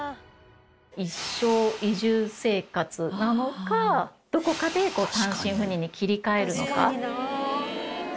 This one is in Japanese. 一生移住生活なのかどこかで単身赴任に切り替えるのか。